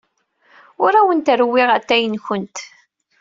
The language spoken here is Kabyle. Ur awent-rewwiɣ atay-nwent.